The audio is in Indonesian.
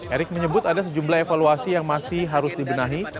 erick menyebut ada sejumlah evaluasi yang masih harus dibenahi